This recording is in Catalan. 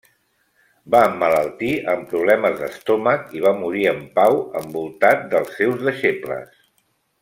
Va emmalaltir amb problemes d'estómac i va morir en pau, envoltat dels seus deixebles.